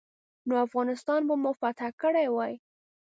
نو افغانستان به مو فتح کړی وای.